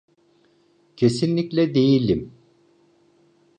Kesinlikle değilim.